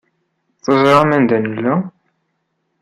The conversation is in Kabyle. Teẓram anda nella?